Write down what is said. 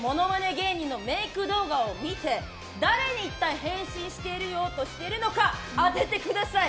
芸人のメイク動画を見て誰に一体変身しようとしているのか当ててください。